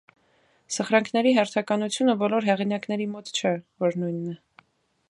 Սխրանքների հերթականությունը բոլոր հեղինակների մոտ չէ, որ նույնն է։